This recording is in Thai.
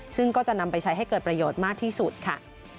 ซึ่งก็จะนำไปใช้ให้เกิดประโยชน์มากที่สุดค่ะ